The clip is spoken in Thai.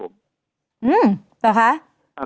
อืมหรอคะ